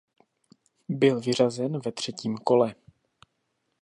Byl vyřazen ve třetím kole.